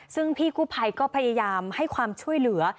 ซึ่งพี่กู้ภัยก็พยายามให้ความช่วยเหลือ